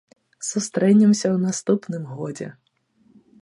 Сустрэнемся ў наступным годзе!